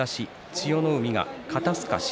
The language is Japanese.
千代の海が肩すかし。